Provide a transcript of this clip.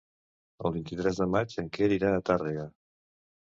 El vint-i-tres de maig en Quer irà a Tàrrega.